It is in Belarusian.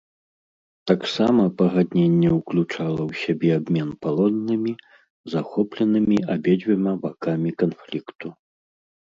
Таксама пагадненне ўключала ў сябе абмен палоннымі, захопленымі абедзвюма бакамі канфлікту.